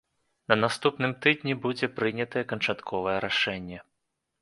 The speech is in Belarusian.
На наступным тыдні будзе прынятае канчатковае рашэнне.